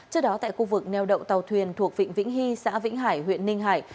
trước đó tại khu vực neo đậu tàu thuyền thuộc vịnh vĩnh hy xã vĩnh hải huyện ninh hải